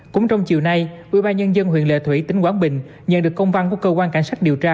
cũng trong chiều nay ubnd huyện lệ thủy tỉnh quảng bình nhận được công văn của cơ quan cảnh sát điều tra